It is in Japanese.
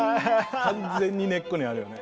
完全に根っこにあるよね。